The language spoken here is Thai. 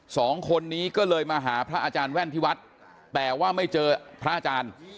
สองคนนี้ก็เลยมาหาพระอาจารย์แว่นที่วัดแต่ว่าไม่เจอพระอาจารย์